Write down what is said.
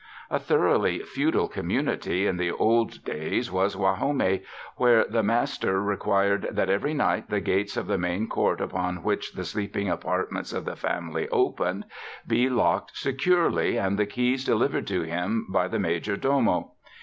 A thoroughly feudal comi.iunity in the old days was Guajome, where the master required that every night the gates of the main court upon which the sleeping apartments of the family opened, be locked securely and the keys delivered to him by the majordomo.